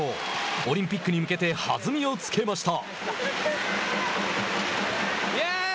オリンピックに向けて弾みをつけました。